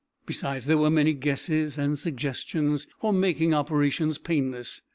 Besides, there were many guesses and suggestions for making operations painless.